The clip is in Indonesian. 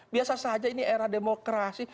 biasa saja ini era demokrasi